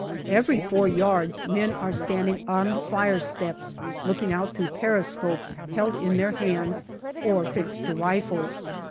Every four yards men are standing on the fire steps looking out through periscopes, held in their hands or fixed to rifles.